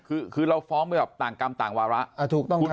อุ้ยคือเราฟ้องไปแบบต่างกรรมต่างวาระถูกต้องครับ